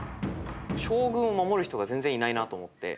将軍を守る人が全然いないなと思って。